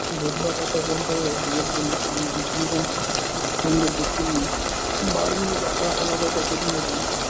বুধবার রাতে অপহরণকারীরা জুয়েলকে মাঝিড়া স্ট্যান্ডের দক্ষিণে বারনিঘাটা এলাকায় ডেকে নিয়ে যায়।